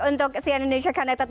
untuk si indonesia candidate